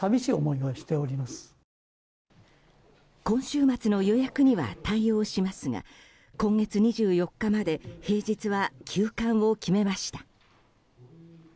今週末の予約には対応しますが今月２４日まで平日は休館を決めました。